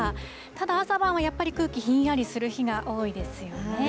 ただ、朝晩はやっぱり空気、ひんやりする日が多いですよね。